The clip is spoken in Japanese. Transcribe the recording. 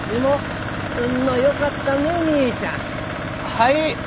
はい？